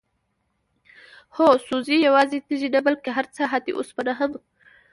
هو؛ سوزي، يوازي تيږي نه بلكي هرڅه، حتى اوسپنه هم